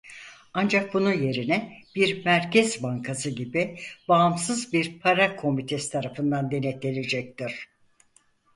Ancak bunun yerine bir merkez bankası gibi bağımsız bir para komitesi tarafından denetlenecektir.